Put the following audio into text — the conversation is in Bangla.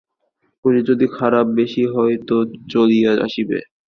শরীর যদি খারাপ বেশী হয় তো চলিয়া আসিবে।